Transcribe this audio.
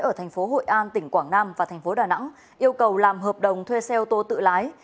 ở tp hội an tỉnh quảng nam và tp đà nẵng yêu cầu làm hợp đồng thuê xe ô tô tự lái